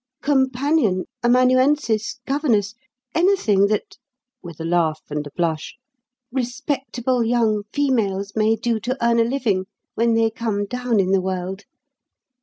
"Companion, amanuensis, governess anything that," with a laugh and a blush, "'respectable young females' may do to earn a living when they come down in the world.